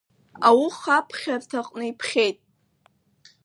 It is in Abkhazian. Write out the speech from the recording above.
Ауха Аԥхьарҭа аҟны иԥхьеит.